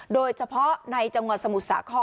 โดยเฉพาะในจังหวัดสมุทรสาคร